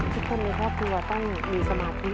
ทุกคนในครอบครัวต้องมีสมาธิ